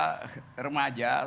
waktu saya remaja